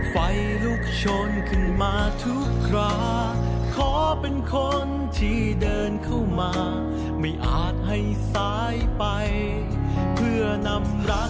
โปรดจงรอได้ไหม